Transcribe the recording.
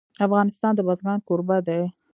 افغانستان د بزګان کوربه دی.